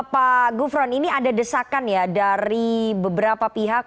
pak gufron ini ada desakan ya dari beberapa pihak